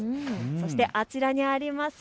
そしてあちらにあります